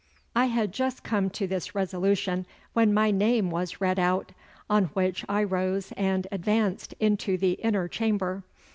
I had just come to this resolution when my name was read out, on which I rose and advanced into the inner chamber.